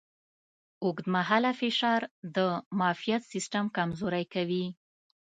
اوږدمهاله فشار د معافیت سیستم کمزوری کوي.